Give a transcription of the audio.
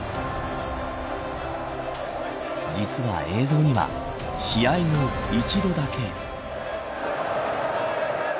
実は映像には試合後、一度だけ。